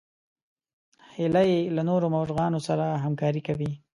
هیلۍ له نورو مرغانو سره همکاري کوي